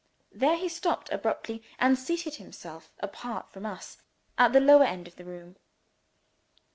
There he stopped abruptly and seated himself apart from us, at the lower end of the room.